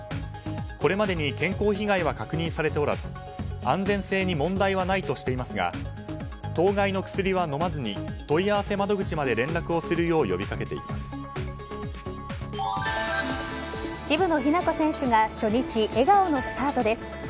これまでに健康被害は確認されておらず安全性に問題はないとしていますが当該の薬は飲まずに問い合わせ窓口まで連絡をするよう渋野日向子選手が初日、笑顔のスタートです。